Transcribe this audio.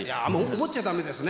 思っちゃ駄目ですね。